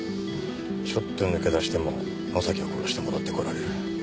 ちょっと抜け出しても能崎を殺して戻ってこられる。